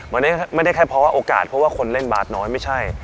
มันไม่ได้แค่เพราะว่าโอกาสเพราะว่าคนเล่นบาสน้อยไม่ใช่